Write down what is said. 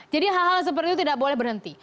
jadi hal hal seperti itu tidak boleh berhenti